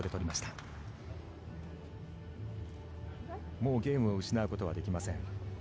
もうゲームを失うことはできません。